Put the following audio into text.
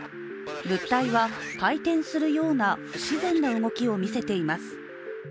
物体は回転するような不自然な動きを見せています。